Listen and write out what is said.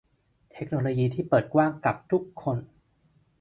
เทคโนโลยีที่เปิดกว้างกับทุกคน